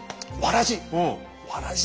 わらじ！